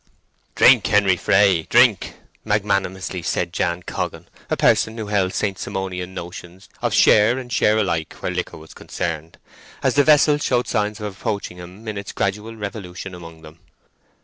"Drink, Henry Fray—drink," magnanimously said Jan Coggan, a person who held Saint Simonian notions of share and share alike where liquor was concerned, as the vessel showed signs of approaching him in its gradual revolution among them.